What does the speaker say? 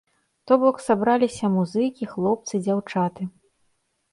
То бок, сабраліся музыкі, хлопцы, дзяўчаты.